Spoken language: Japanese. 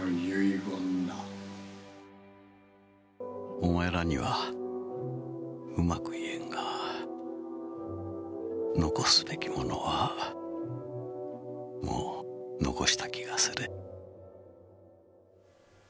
お前らにはうまく言えんが残すべきものはもう、残した気がする。